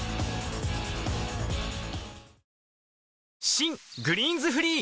新「グリーンズフリー」